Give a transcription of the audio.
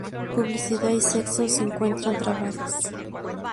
Publicidad y sexo se encuentran trabadas.